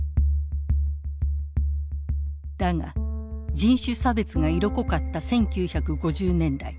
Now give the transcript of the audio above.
だが人種差別が色濃かった１９５０年代。